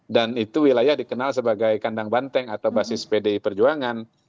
dan itu wilayah dikenal sebagai kandang banteng atau basis pdi perjuangan